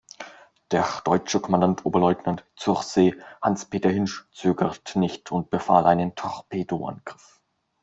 Der deutsche Kommandant Oberleutnant zur See Hans-Peter Hinsch zögerte nicht und befahl einen Torpedoangriff.